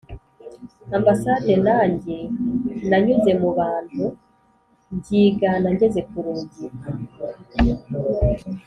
ambasade Nanjye nanyuze mu bantu mbyigana Ngeze ku rugi